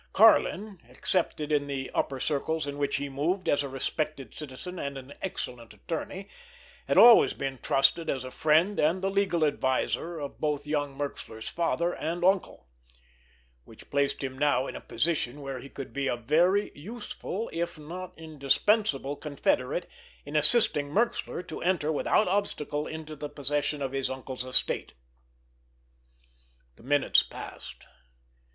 Karlin, accepted in the upper circles in which he moved, as a respected citizen and an excellent attorney, had always been trusted as a friend and the legal adviser of both young Merxler's father and uncle—which placed him now in a position where he could be a very useful, if not indispensable confederate in assisting Merxler to enter without obstacle into the possession of his uncle's estate. The minutes passed.